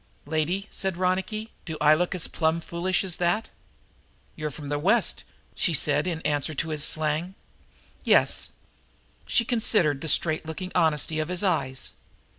"Lady," said Ronicky, "do I look as plumb foolish as that?" "You're from the West," she said in answer to his slang. "Yes." She considered the straight looking honesty of his eyes.